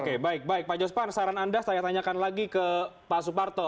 oke baik baik pak jospan saran anda saya tanyakan lagi ke pak suparto